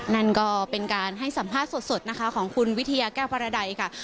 นั่นก็เป็นการให้สัมภาษณ์สดของคุณวิเทียกรกฎาไดไกร